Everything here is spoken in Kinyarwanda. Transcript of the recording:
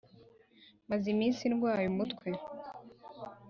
maze iminsi rwaye umutwe